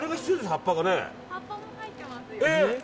葉っぱも入ってますよ。